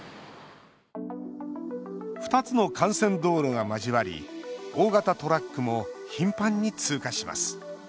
２つの幹線道路が交わり大型トラックも頻繁に通過します。